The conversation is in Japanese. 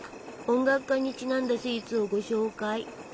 音楽家にちなんだスイーツをご紹介！